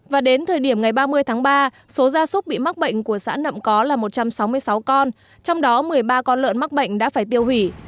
và đến thời điểm ngày ba mươi tháng ba số gia súc bị mắc bệnh của xã nậm có là một trăm sáu mươi sáu con trong đó một mươi ba con lợn mắc bệnh đã phải tiêu hủy